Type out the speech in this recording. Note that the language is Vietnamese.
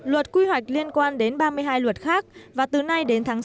luật quy hoạch liên quan đến ba mươi hai luật khác và từ nay đến tháng sáu